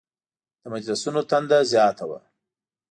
د مجلسونو تنده زیاته وه.